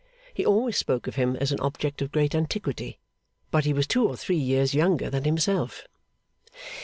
(He always spoke of him as an object of great antiquity, but he was two or three years younger than himself.)